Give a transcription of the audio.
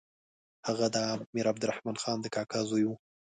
هغه د امیر عبدالرحمن خان د کاکا زوی وو.